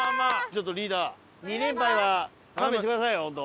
ちょっとリーダー２連敗は勘弁してくださいよ本当。